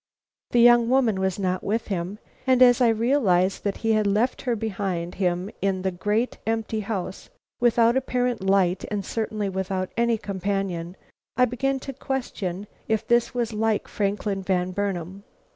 The young woman was not with him, and as I realized that he had left her behind him in the great, empty house, without apparent light and certainly without any companion, I began to question if this was like Franklin Van Burnam.